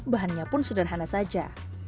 bahannya pun sederhana saja